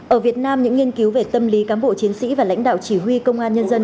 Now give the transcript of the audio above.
ở việt nam những nghiên cứu về tâm lý cám bộ chiến sĩ và lãnh đạo chỉ huy công an nhân dân